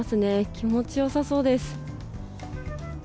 気持ちよさそうです。